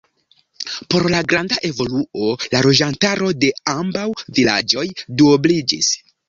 Pro la granda evoluo la loĝantaro de ambaŭ vilaĝoj duobliĝis.